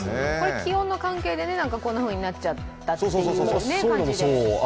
気温の関係でこんなふうになっちゃったという感じで。